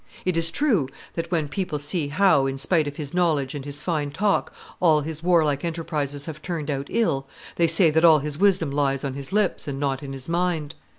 It is true that, when people see how, in spite of his knowledge and his fine talk, all his warlike enterprises have turned out ill, they say that all his wisdom lies on his lips, and not in his mind.